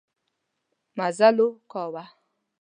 مزلمو کاوه.